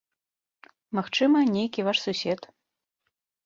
Магчыма, нейкі ваш сусед.